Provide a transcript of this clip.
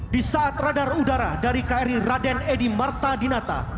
di saat radar udara dari kri raden edy marta dinata